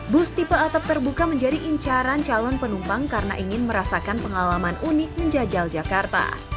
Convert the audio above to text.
bus tipe atap terbuka menjadi incaran calon penumpang karena ingin merasakan pengalaman unik menjajal jakarta